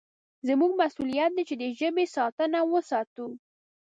زموږ مسوولیت دی چې د ژبې ساتنه وساتو.